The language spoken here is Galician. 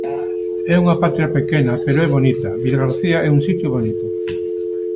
É unha patria pequena, pero é bonita, Vilagarcía é un sitio bonito.